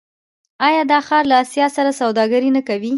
آیا دا ښار له اسیا سره سوداګري نه کوي؟